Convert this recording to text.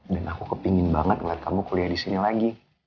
dan aku kepengen banget ngeliat kamu kuliah disini lagi